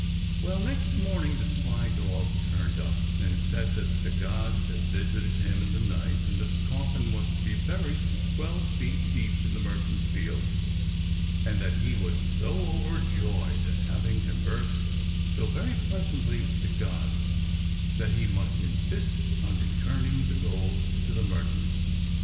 Well, next morn ing the sly dog turned up and said that the gods had visited him in the night and that the coffin was to be buried twelve feet deep in the merchant's field, and that he was so overjoyed at having conversed so very pleas antly w^ith the gods that he must insist on returning the gold to the merchant.